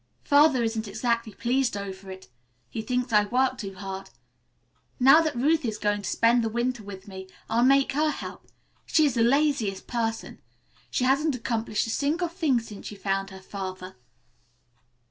Father isn't exactly pleased over it. He thinks I work too hard. Now that Ruth is going to spend the winter with me I'll make her help. She is the laziest person. She hasn't accomplished a single thing since she found her father."